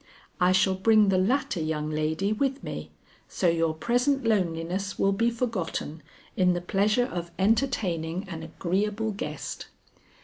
I shall bring the latter young lady with me, so your present loneliness will be forgotten in the pleasure of entertaining an agreeable guest.